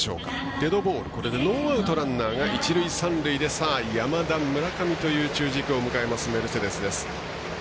デッドボール、これでノーアウト、ランナーが一塁三塁山田、村上という中軸を迎えるメルセデスです。